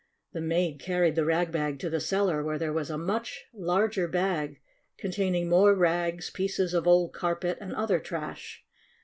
The maid carried the rag bag to the cel lar, where there was a much larger bag, containing more rags, pieces of old car pet and other trash.